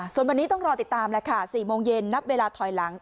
ส่วนวันนี้ต้องรอติดตามแล้วค่ะ๔โมงเย็นนับเวลาถอยหลัง